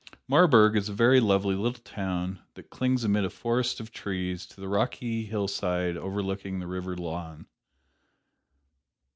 Marburg is a very lovely little town that clings amid a forest of trees to the rocky hillside overlooking the River Lahn.